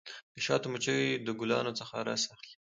د شاتو مچۍ د ګلانو څخه رس اخلي.